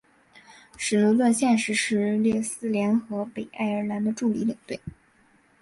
史奴顿现时是列斯联和北爱尔兰的助理领队。